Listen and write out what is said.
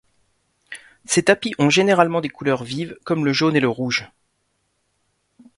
Ces tapis ont généralement des couleurs vives comme le jaune et le rouge.